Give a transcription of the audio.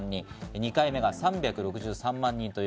２回目が３６３万人。